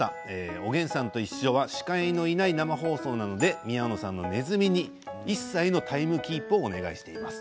「おげんさんといっしょ」は司会のいない生放送なので宮野さんのねずみに一切のタイムキープをお願いしています。